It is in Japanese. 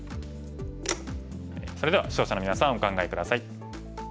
それでは視聴者のみなさんお考え下さい。